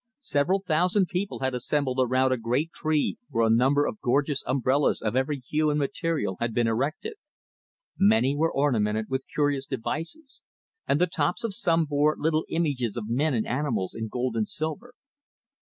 Several thousand people had assembled around a great tree where a number of gorgeous umbrellas of every hue and material had been erected. Many were ornamented with curious devices, and the tops of some bore little images of men and animals in gold and silver.